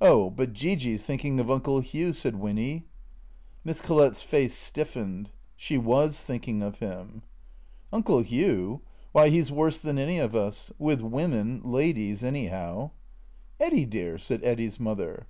Oh, but Gee Gee 's thinking of Uncle Hugh," said Winny. Miss Collett's face stiffened. She was thinking of him. " Uncle Hugh ? W^hy, he 's worse than any of us. With women — ladies — anyhow." " Eddy, dear !" said Eddy's mother.